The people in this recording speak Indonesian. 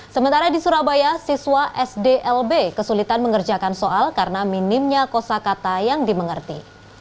sementara di surabaya siswa sdlb kesulitan mengerjakan soal karena minimnya kosa kata yang dimengerti